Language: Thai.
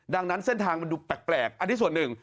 ดังนั้นเส้นทางมันดูแปลกอันนี้ส่วนหนึ่ง